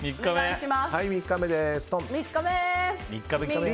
では３日目です。